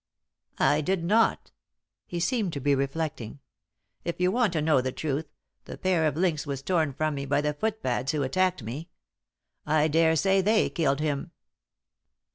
"I did not." He seemed to be reflecting. "If you want to know the truth, that pair of links was torn from me by the footpads who attacked me. I daresay they killed him."